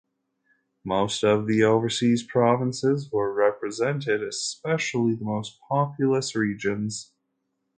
Most of the overseas provinces were represented, especially the most populous regions.